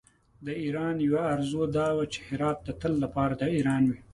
د ایران یوه آرزو دا وه چې هرات د تل لپاره د ایران وي.